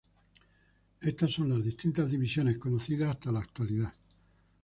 Estas son las distintas divisiones conocidas hasta la actualidad.